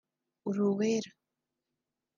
Uri uwera